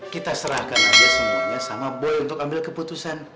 kita serahkan aja semuanya sama boleh untuk ambil keputusan